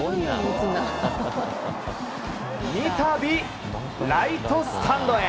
三度ライトスタンドへ。